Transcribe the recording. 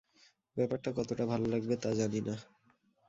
ব্যাপারটা কতটা ভাল লাগবে তা জানি না।